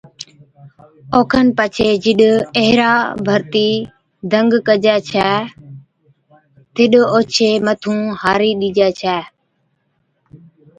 او کن پڇي جِڏ ايهرا ڀرتِي دنگ ڪجَي ڇَي تِڏ اوڇي مٿُون هارِي ڏِجَي ڇَي